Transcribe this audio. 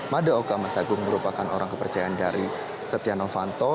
mada oka mas agung merupakan orang kepercayaan dari setia novanto